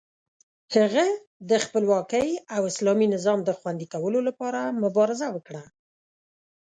هغه د خپلواکۍ او اسلامي نظام د خوندي کولو لپاره مبارزه وکړه.